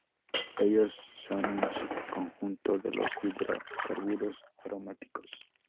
Ellos son un subconjunto de los hidrocarburos aromáticos.